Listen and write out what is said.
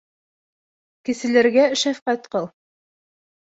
Кеселәргә шәфҡәт ҡыл.